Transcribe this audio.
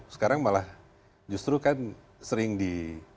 sekarang malah justru kan sering di